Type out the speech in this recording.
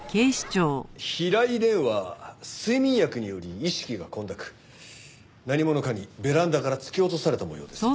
平井蓮は睡眠薬により意識が混濁何者かにベランダから突き落とされた模様です。